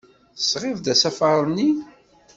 Tesɣiḍ-d asafar-nni?